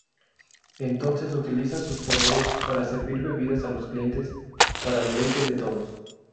Entonces utiliza sus poderes para servir bebidas a los clientes, para deleite de todos.